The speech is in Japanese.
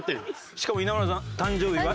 しかも稲村さん誕生日は？